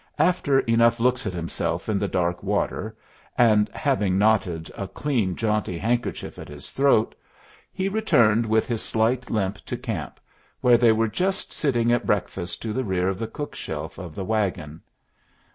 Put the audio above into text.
After enough looks at himself in the dark water, and having knotted a clean, jaunty handkerchief at his throat, he returned with his slight limp to camp, where they were just sitting at breakfast to the rear of the cook shelf of the wagon.